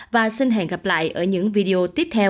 và xin hẹn gặp lại ở những video tiếp theo